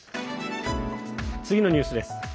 次のニュースです。